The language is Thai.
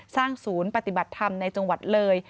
ศูนย์ปฏิบัติธรรมในจังหวัดเลย